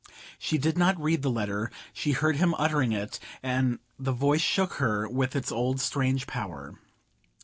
She did not read the letter: she heard him uttering it, and the voice shook her with its old strange power.